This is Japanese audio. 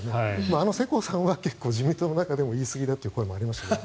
あの世耕さんは自民党の中でも言いすぎだという声もありましたが。